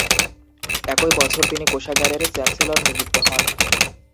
একই বছর তিনি কোষাগারের চ্যান্সেলর নিযুক্ত হন।